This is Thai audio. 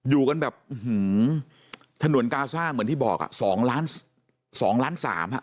อยู่กันแบบถนวนกาซ่าเหมือนที่บอก๒ล้าน๓ค่ะ